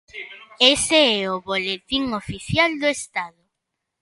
Ese é o Boletín Oficial do Estado.